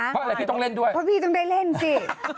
เพราะอะไรพี่ต้องเล่นด้วยเพราะพี่ต้องได้เล่นสิ